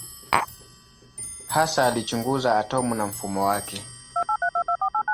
Hasa alichunguza atomu na mfumo wake.